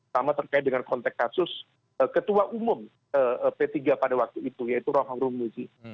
sama terkait dengan konteks kasus ketua umum p tiga pada waktu itu yaitu rohan rumuzi